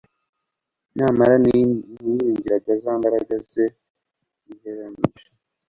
Nyamara ntiyiringiraga za mbaraga ze ziheranije.